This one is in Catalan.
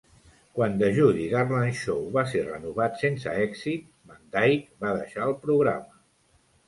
Quan "The Judy Garland Show" va ser renovat sense èxit, Van Dyke va deixar el programa.